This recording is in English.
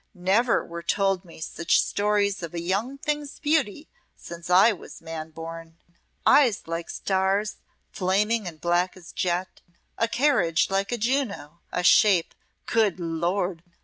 Never were told me such stories of a young thing's beauty since I was man born. Eyes like stars, flaming and black as jet, a carriage like a Juno, a shape good Lord!